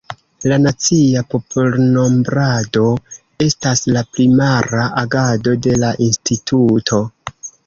La nacia popolnombrado estas la primara agado de la instituto.